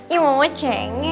ya mama cengek